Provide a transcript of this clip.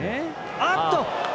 あっと！